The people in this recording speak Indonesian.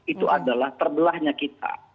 itu adalah terbelahnya kita